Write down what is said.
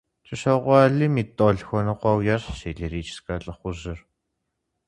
КӀыщокъуэ алим и тӀолъхуэныкъуэу ещхьщ и лирическэ лӀыхъужьыр.